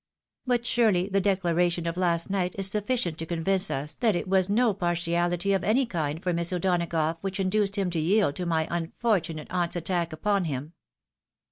But surely the declaration of last night is sufficient to convince us that it was no partiality of any kind for Miss O'Donagough which induced him to yield to my unfortunate aunt's attack upon him."